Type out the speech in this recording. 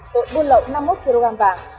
tội quân lậu năm mươi một kg vàng